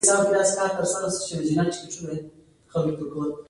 کوم بل ځواک شته چې دا کار وکړای شي؟